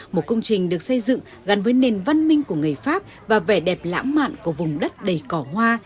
một công trình được xây dựng gắn với nền văn minh của người pháp và vẻ đẹp lãng mạn của vùng đất đầy cỏ hoa